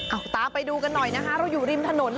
เอาตามไปดูกันหน่อยนะคะเราอยู่ริมถนน